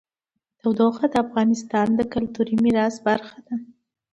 تودوخه د افغانستان د کلتوري میراث برخه ده.